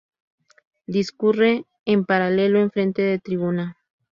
Discurre en paralelo enfrente de Tribuna.